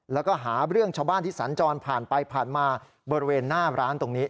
แล้วก็หาเรื่องชาวบ้านที่สัญจรผ่านไปผ่านมาบริเวณหน้าร้านตรงนี้